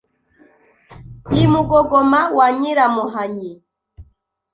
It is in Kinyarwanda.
I Mugogoma wa Nyiramuhanyi